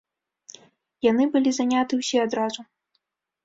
Яны былі заняты ўсе адразу.